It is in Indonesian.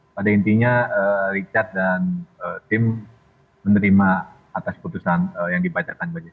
pada intinya richard dan tim menerima atas keputusan yang dibacakan oleh richard